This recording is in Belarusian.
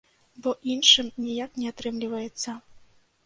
Бо іншым ніяк не атрымліваецца.